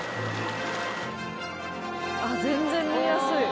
あっ全然見えやすい。